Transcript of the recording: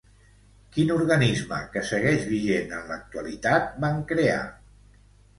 Quin organisme que segueix vigent en l'actualitat van crear?